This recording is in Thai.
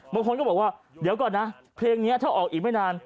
บางคนก็บอกว่าเดี๋ยวก่อนนะเพลงนี้ถ้าออกอีกไม่นาน